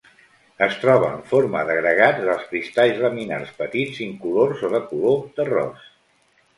Es troba en forma d'agregats de cristalls laminars petits, incolors o de color terrós.